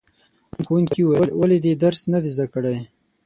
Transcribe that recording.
ښوونکي وویل ولې دې درس نه دی زده کړی؟